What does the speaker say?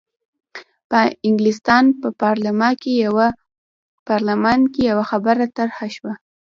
په انګلستان په پارلمان کې یوه خبره طرح شوه.